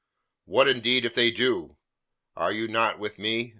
"What, indeed, if they do? Are you not with me?"